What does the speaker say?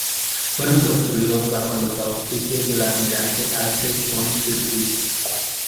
Fueron construidos bajo los auspicios del almirante Alfred von Tirpitz.